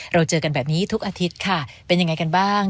เราเจอกันแบบนี้ทุกอาทิตย์ค่ะเป็นยังไงกันบ้าง